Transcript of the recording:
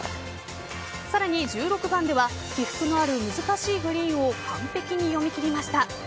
さらに１６番では起伏のある難しいグリーンを完璧に読み切りました。